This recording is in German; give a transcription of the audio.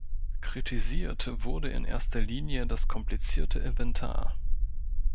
Kritisiert wurde in erster Linie das komplizierte Inventar.